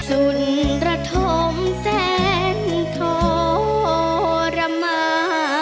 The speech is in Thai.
สุนระธมแสนทรมา